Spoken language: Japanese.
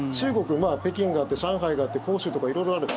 北京があって上海があって広州とか色々ある。